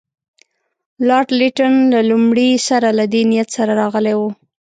لارډ لیټن له لومړي سره له دې نیت سره راغلی وو.